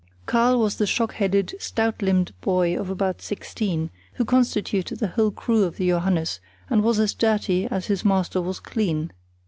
Karl was the shock headed, stout limbed boy of about sixteen, who constituted the whole crew of the Johannes, and was as dirty as his master was clean.